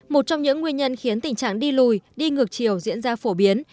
một trong những nguyên nhân khiến tình trạng đi lùi đi ngược chiều diễn ra phổ biến